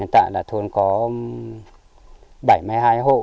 hiện tại là thôn có bảy mươi hai hộ